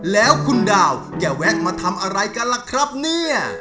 แล้วคุณดาวจะแวะมาทำอะไรกันล่ะครับเนี่ย